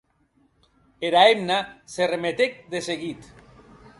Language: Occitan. Era hemna se remetec de seguit.